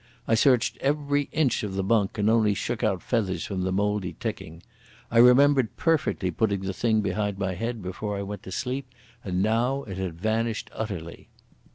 I searched every inch of the bunk and only shook out feathers from the mouldy ticking. I remembered perfectly putting the thing behind my head before I went to sleep, and now it had vanished utterly.